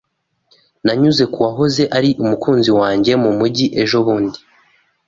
Nanyuze ku wahoze ari umukunzi wanjye mu mujyi ejobundi.